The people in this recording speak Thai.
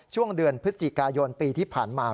ช่วงเดือนพฤศจิกายนปีที่ผ่านมา